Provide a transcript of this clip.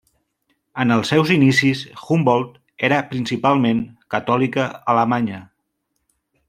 En els seus inicis Humboldt era principalment Catòlica alemanya.